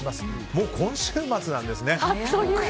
もう今週末なんですね。